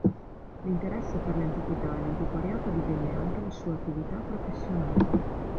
L'interesse per le antichità e l'antiquariato divenne anche la sua attività professionale.